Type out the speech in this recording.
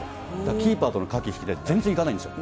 キーパーとの駆け引きで、全然いかないんですよ。